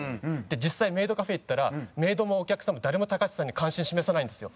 実際メイドカフェ行ったらメイドもお客さんも誰もたかしさんに関心示さないんですよ。